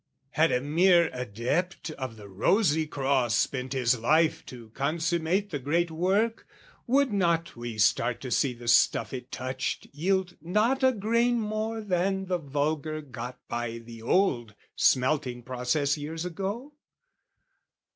Had a mere adept of the Rosy Cross Spent his life to consummate the Great Work, Would not we start to see the stuff it touched Yield not a grain more than the vulgar got By the old smelting process years ago?